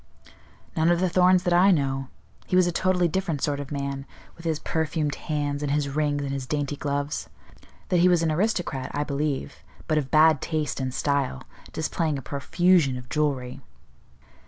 "None of the Thorns that I know. He was a totally different sort of man, with his perfumed hands, and his rings, and his dainty gloves. That he was an aristocrat I believe, but of bad taste and style, displaying a profusion of jewellery."